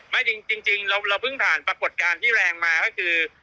ไม่จริงเราเพิ่งผ่านปรากฏการณ์ที่แรงมาก็คือ